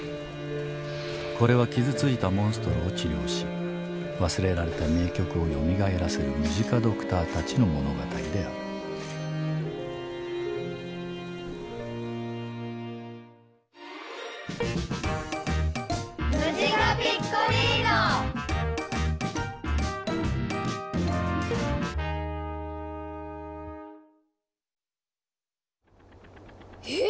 これは傷ついたモンストロを治療し忘れられた名曲をよみがえらせるムジカドクターたちの物語であるええ